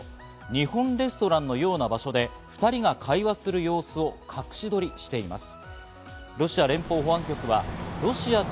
日本レストランのような場所で２人が会話する様子を隠し撮りしています。